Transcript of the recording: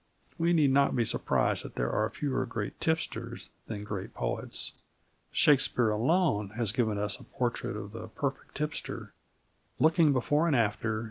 We need not be surprised that there are fewer great tipsters than great poets. Shakespeare alone has given us a portrait of the perfect tipster "looking before and after